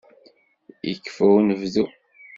Yekfa unebdu.